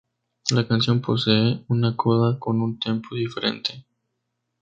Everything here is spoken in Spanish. La canción posee una coda con un tempo diferente.